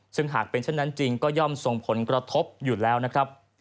ซึ่งหากเป็นเช่นนั้นจริงก็ย่อมส่งผลกระทบอยู่แล้วนะครับ